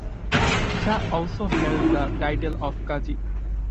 Shah also held the title of Kaji.